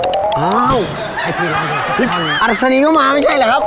ให้พี่ร้านให้สักครั้งน่ะอรสนีก็มาไม่ใช่เหรอครับ